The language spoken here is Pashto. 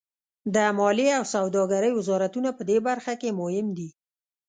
د مالیې او سوداګرۍ وزارتونه پدې برخه کې مهم دي